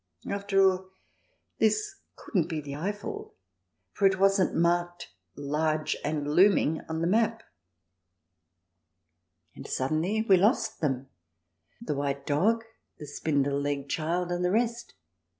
After all, this couldn't be the Eiffel, 84 THE DESIRABLE ALIEN [ch. vi for it wasn't marked large and looming on the map. ... And suddenly we lost them, the white dog, the spindle legged child, and the rest.